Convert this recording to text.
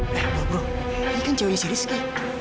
bro bro ini kan ceweknya seris ini